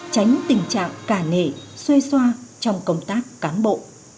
tránh tình trạng cả nể xuê xoa trong công tác cán bộ